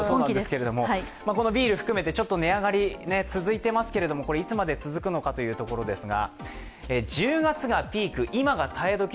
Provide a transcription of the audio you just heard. このビール含めて、ちょっと値上がり続いていますがいつまで続くのかというところですが。